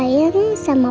aku mau ke sana